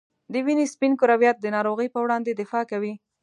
د وینې سپین کرویات د ناروغۍ په وړاندې دفاع کوي.